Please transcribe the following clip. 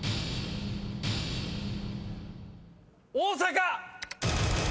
大阪！